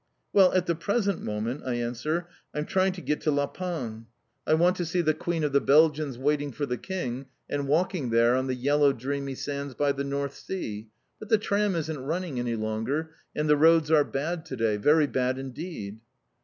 "Well, at the present moment," I answer, "I'm trying to get to La Panne. I want to see the Queen of the Belgians waiting for the King, and walking there on the yellow, dreamy sands by the North Sea. But the tram isn't running any longer, and the roads are bad to day, very bad indeed!"